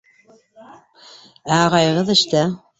Ә ағайығыҙ эштә.